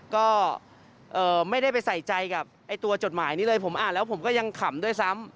ก็ไม่ได้ไปใส่ใจกับตัวจดหมายนี้เลยผมอ่านแล้วผมก็ยังขำด้วยซ้ำ